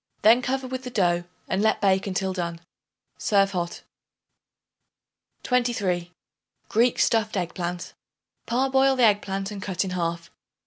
Then cover with the dough and let bake until done. Serve hot. 23. Greek Stuffed Egg Plant. Parboil the egg plant and cut in half.